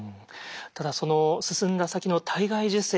ただその進んだ先の体外受精